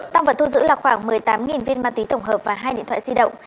tăng vật thu giữ là khoảng một mươi tám viên ma túy tổng hợp và hai điện thoại di động